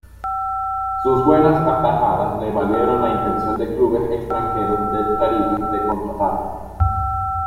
Sus buenas atajadas le valieron la intención de clubes extranjeros del Caribe de contratarlo.